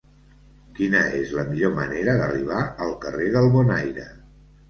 Quina és la millor manera d'arribar al carrer del Bonaire?